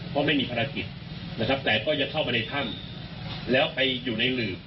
เพราะไม่มีภารกิจนะครับแต่ก็จะเข้ามาในถ้ำแล้วไปอยู่ในหลืบ